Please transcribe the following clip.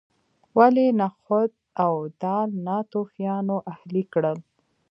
ولې نخود او دال ناتوفیانو اهلي کړل.